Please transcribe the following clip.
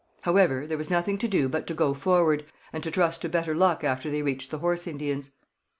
However, there was nothing to do but to go forward, and to trust to better luck after they reached the Horse Indians.